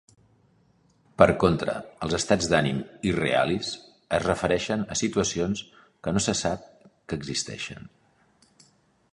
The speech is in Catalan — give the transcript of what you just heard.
Per contra, els estats d'ànim "irrealis" es refereixen a situacions que no se sap que existeixen.